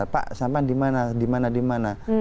pak sampah di mana di mana di mana